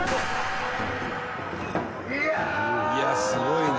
「いやすごいな。